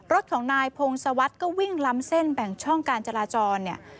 รถของนายพงศวรรษก็วิ่งล้ำเส้นแบ่งช่องการจราจรเนี่ย